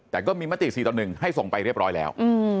แต่ก็มีมติ๔ต่อ๑ให้ส่งไปเรียบร้อยแล้ว